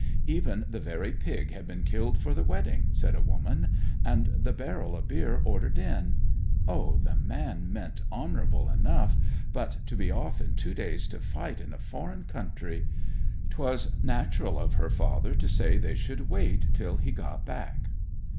'Even the very pig had been killed for the wedding,' said a woman, 'and the barrel o' beer ordered in. O, the man meant honourable enough. But to be off in two days to fight in a foreign country 'twas natural of her father to say they should wait till he got back.'